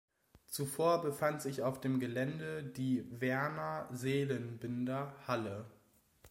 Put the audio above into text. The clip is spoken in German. Zuvor befand sich auf dem Gelände die Werner-Seelenbinder-Halle.